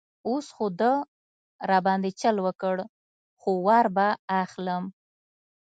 اوس خو ده را باندې چل وکړ، خو وار به اخلم.